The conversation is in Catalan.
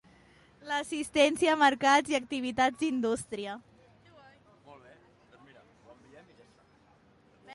L'assistència a mercats i a activitats d'indústria.